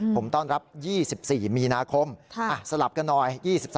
ผมต้อนรับ๒๔มีนาคมสลับกันหน่อย๒๓